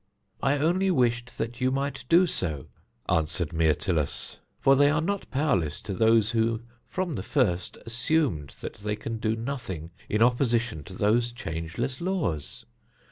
"I only wished that you might do so," answered Myrtilus; "for they are not powerless to those who from the first assumed that they can do nothing in opposition to those changeless laws.